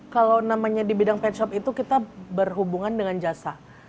kalau namanya di bidang pet shop itu kita berhubungan dengan jasa